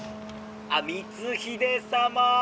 「あっ光秀様！